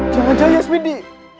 jangan jangan yasmin di